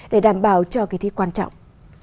để đảm bảo cho kỳ thiết quan trọng